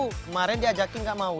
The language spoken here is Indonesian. kemarin diajakin nggak mau